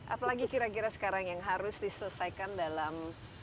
apalagi kira kira sekarang yang harus diselesaikan dalam